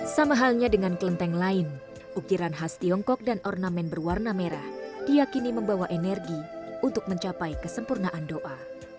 sama halnya dengan kelenteng lain ukiran khas tiongkok dan ornamen berwarna merah diakini membawa energi untuk mencapai kesempurnaan doa